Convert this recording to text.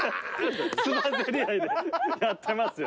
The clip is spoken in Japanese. つばぜり合いでやってますよ。